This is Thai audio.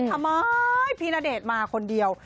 ทำไมพี่ณเดชน์มาคนเดียว